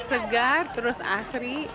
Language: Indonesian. segar terus asri